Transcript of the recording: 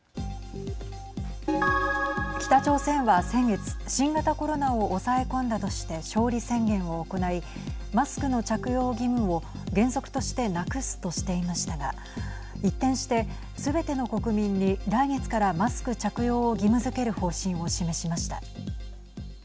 北朝鮮は、先月新型コロナを抑え込んだとして勝利宣言を行いマスクの着用義務を原則としてなくすとしていましたが一転してすべての国民に来月からマスク着用を義務づける方針を示しました。